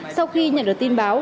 sau khi nhận được tin báo